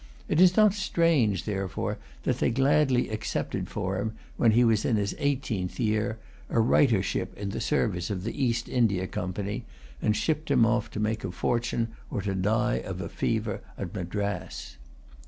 It is not strange therefore, that they gladly accepted for him, when he was in his eighteenth year, a writer ship in the service of the East India Company, and shipped him off to make a fortune or to die of a fever at Madras.